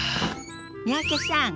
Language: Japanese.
三宅さん